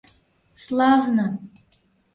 — Славне!